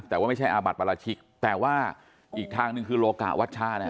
แต่ว่าไม่ใช่อาบัติปราชิกแต่ว่าอีกทางหนึ่งคือโลกะวัชชาเนี่ย